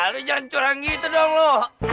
lu jangan curang gitu dong lu